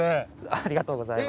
ありがとうございます。